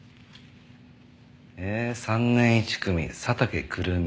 へえ「３年１組佐竹玖瑠美」。